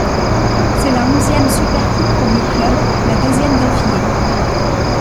C'est la onzième Supercoupe pour le club, la deuxième d'affilée.